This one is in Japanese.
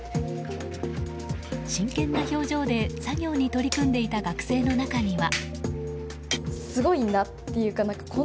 真剣な表情で作業に取り組んでいた学生の中には。